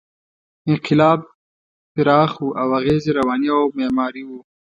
انقلاب پراخ و او اغېز یې رواني او معماري و.